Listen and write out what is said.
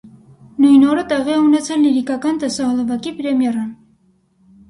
Նույն օրը տեղի է ունեցել լիրիկական տեսահոլովակի պրեմիերան։